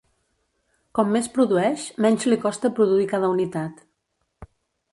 Com més produeix, menys li costa produir cada unitat.